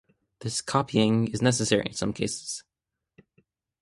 This "copying" is necessary in some cases.